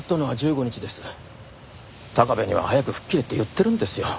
高部には早く吹っ切れって言ってるんですよ。